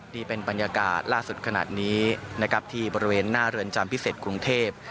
นี่เป็นบรรยากาศล่าสุดขนาดนี้นะครับที่บริเวณหน้าเรือนจำพิเศษกรุงเทพ